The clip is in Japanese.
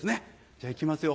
じゃあいきますよ